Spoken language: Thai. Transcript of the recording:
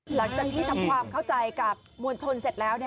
หลังจากที่ทำความเข้าใจกับมวลชนเสร็จแล้ว